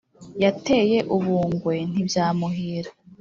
yateye u bungwe ntibyamuhira.